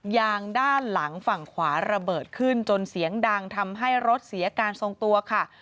ยางด้านหลังฝั่งขวาระเบิดขึ้นจนเสียงดังทำให้รถเสียการทรงตัวค่ะ